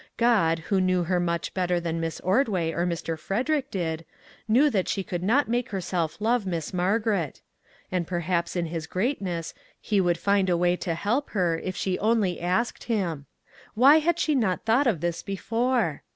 God, who knew her much better than Miss Ordway or Mr. Frederick did, knew that she could not make herself love Miss Margaret, and perhaps in his greatness he would find a 270 Beside the cot she knelt." AFTER THE STORM way to help her, if she only asked him. Why had she not thought of this before?